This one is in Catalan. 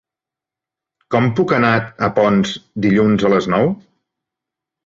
Com puc anar a Ponts dilluns a les nou?